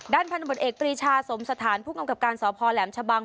พันธบทเอกตรีชาสมสถานผู้กำกับการสพแหลมชะบัง